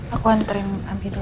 aku entering abi dulu